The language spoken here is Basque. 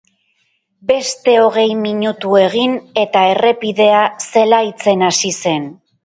Beste hogei minutu egin, eta errepidea zelaitzen hasi zen.